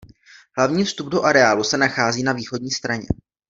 Hlavní vstup do areálu se nachází na východní straně.